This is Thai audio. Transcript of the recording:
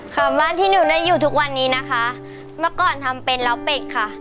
ค่ะบ้านที่หนูได้อยู่ทุกวันนี้นะคะเมื่อก่อนทำเป็นล้าวเป็ดค่ะ